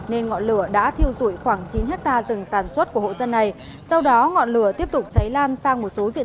nên ngọn lửa đã thiêu rủi khoảng chín hectare rừng sản xuất của hộ dân này